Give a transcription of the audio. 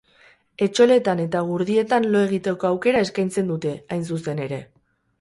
Etxoletan eta gurdietan lo egiteko aukera eskaintzen dute, hain zuzen ere.